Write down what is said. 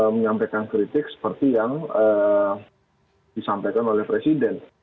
menyampaikan kritik seperti yang disampaikan oleh presiden